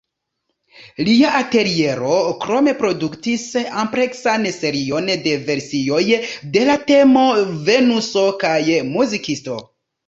Lia ateliero krome produktis ampleksan serion de versioj de la temo Venuso kaj muzikisto.